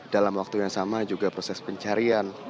dalam waktu yang sama juga proses pencarian